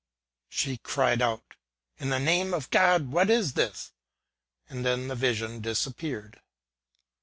She cried out ŌĆö ^' In the name of God, what is this ?" and then the vision disappeared.